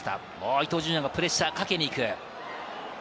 伊東純也もプレッシャーをかけに行く。